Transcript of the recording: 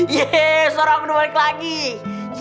yeay suara aku udah balik lagi